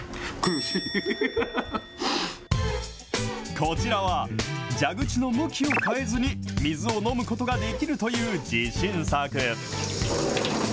こちらは、蛇口の向きを変えずに、水を飲むことができるという自信作。